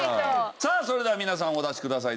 さあそれでは皆さんお出しください。